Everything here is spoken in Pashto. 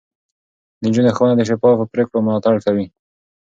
د نجونو ښوونه د شفافو پرېکړو ملاتړ کوي.